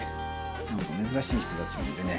なんか珍しい人たちもいるね。